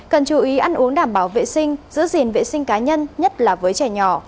cần chú ý ăn uống đảm bảo vệ sinh giữ gìn vệ sinh cá nhân nhất là với trẻ nhỏ